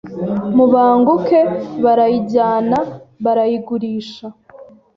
mubanguke Barayijyana barayigurisha